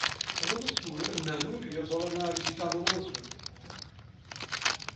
El nou d'octubre na Núria vol anar a visitar mon oncle.